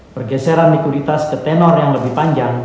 pergeseran likuiditas ke tenor yang lebih panjang